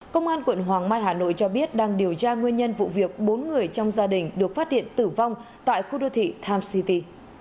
công an quận hoàng mai hà nội cho biết đang điều tra nguyên nhân vụ việc bốn người trong gia đình được phát điện tử vong tại khu đô thị times city